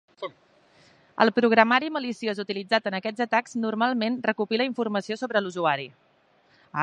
El programari maliciós utilitzat en aquests atacs normalment recopila informació sobre l'usuari.